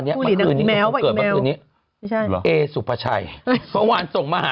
เอกสุปชัย